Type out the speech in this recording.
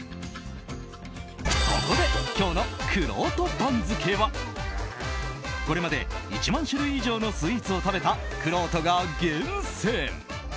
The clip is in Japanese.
そこで、今日のくろうと番付はこれまで１万種類以上のスイーツを食べたくろうとが厳選。